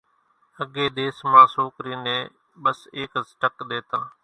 اڳيَ ۮيس مان سوڪرِي نين ٻس ايڪز ٽڪ ۮيتان۔